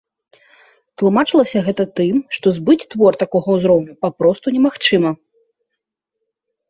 Тлумачылася гэта тым, што збыць твор такога ўзроўню папросту немагчыма.